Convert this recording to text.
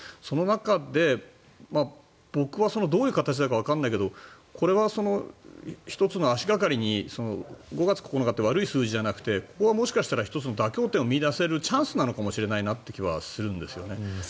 その中で僕はどういう形かわからないけどこれは１つの足掛かりに５月９日って悪い数字じゃなくてここがもしかしたら１つの妥協点を見いだせるチャンスなのかもしれないなという気がするんですね。